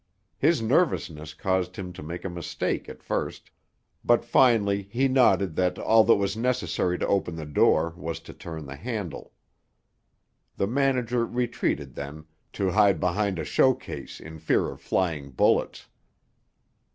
His nervousness caused him to make a mistake at first, but finally he nodded that all that was necessary to open the door was to turn the handle. The manager retreated then, to hide behind a show case in fear of flying bullets.